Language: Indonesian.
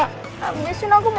habisin aku mau